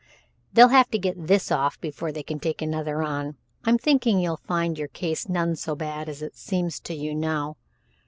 They'll have to get this off before they can take another on. I'm thinking you'll find your case none so bad as it seems to you now.